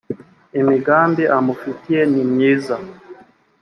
imigambi amufitiye ni myiza